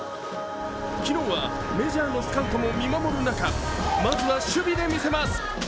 昨日はメジャーのスカウトも見守る中、まずは守備で見せます。